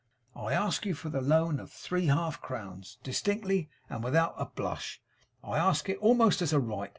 I ask you for the loan of three half crowns, distinctly, and without a blush. I ask it, almost as a right.